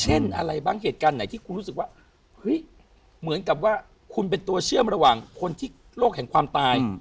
เช่นอะไรบ้างเหตุการณ์ไหนที่คุณรู้สึกว่าเฮ้ยเหมือนกับว่าคุณเป็นตัวเชื่อมระหว่างคนที่โลกแห่งความตาย